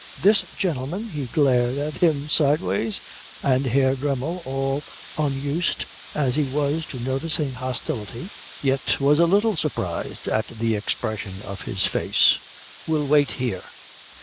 "This gentleman" he glared at him sideways, and Herr Dremmel, all unused as he was to noticing hostility, yet was a little surprised at the expression of his face "will wait here.